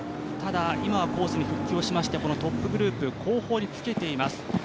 今はコースに復帰しましてトップグループの後方につけています。